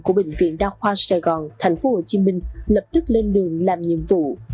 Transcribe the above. của bệnh viện đa khoa sài gòn tp hcm lập tức lên đường làm nhiệm vụ